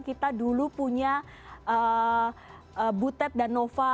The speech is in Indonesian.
kita dulu punya butet dan nova